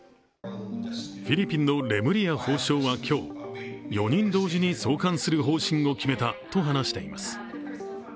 フィリピンのレムリヤ法相は今日４人同時に送還する方針を決めたと話しています。